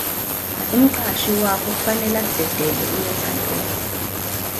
Umqashi wakho kufanele akudedele uye enkantolo.